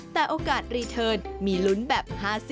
แต่โอกาสรีเทิร์นมีลุ้นแบบ๕๐